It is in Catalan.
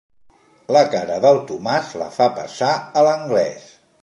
La cara del Tomàs la fa passar a l'anglès.